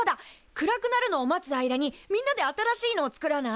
暗くなるのを待つ間にみんなで新しいのを作らない？